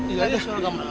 iya ada suara gamelan